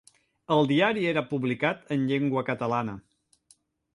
El diari era publicat en llengua catalana.